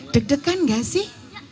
deg degan tidak sih